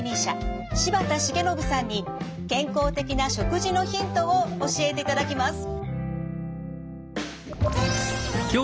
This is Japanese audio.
柴田重信さんに健康的な食事のヒントを教えていただきます。